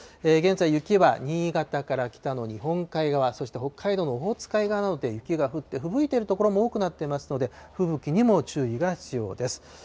現在、雪は新潟から北の日本海側、そして北海道のオホーツク海側などで雪が降って、ふぶいている所も多くなっていますので、吹雪にも注意が必要です。